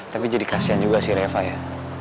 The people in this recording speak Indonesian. tapi jadi kasihan juga sih reva ya